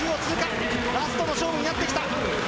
ラストの勝負になってきた。